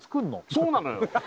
そうなのよ